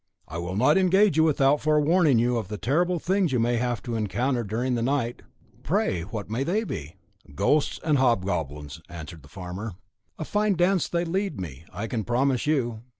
"I will not engage you without forewarning you of the terrible things you may have to encounter during the winter night." "Pray, what may they be?" "Ghosts and hobgoblins," answered the farmer; "a fine dance they lead me, I can promise you."